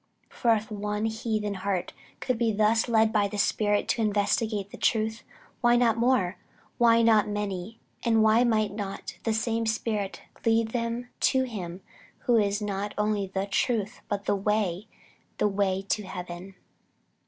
For if one heathen heart could be thus led by the Spirit to investigate the truth, why not more. Why not many? and why might not the same Spirit lead them to him who is not only the truth, but the way, the way to Heaven?